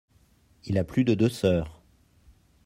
Il a plus de deux sœurs.